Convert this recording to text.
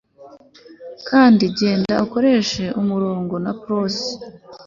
kandi genda ukoreshe umurongo na prose